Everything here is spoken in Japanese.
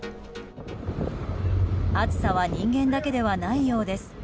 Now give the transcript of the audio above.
暑さは人間だけではないようです。